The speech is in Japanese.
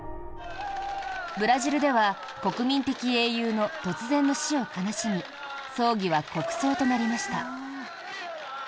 ブラジルでは国民的英雄の突然の死を悲しみ葬儀は国葬となりました。